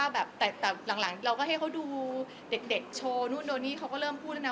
อื้มเดี๋ยวหนูจะไปเดินแบบล่ะ